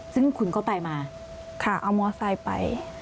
ซึ่งคุณก็ไปมาค่ะเอามอไซค์ไป